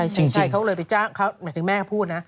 ใช่เขาเลยไปจ้างเหมือนถึงแม่เขาพูดนะ